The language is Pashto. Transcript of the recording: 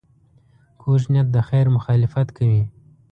کوږ نیت د خیر مخالفت کوي